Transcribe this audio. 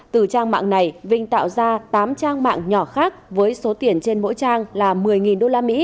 từ trang mạng này vinh tạo ra tám trang mạng nhỏ khác với số tiền trên mỗi trang là một mươi usd